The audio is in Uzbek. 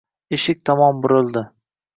eshik tomon burildi.